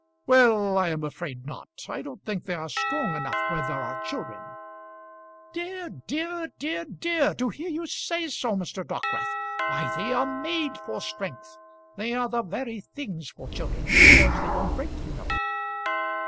"Well, I am afraid not. I don't think they are strong enough where there are children." "Dear, dear; dear, dear; to hear you say so, Mr. Dockwrath! Why, they are made for strength. They are the very things for children, because they don't break, you know."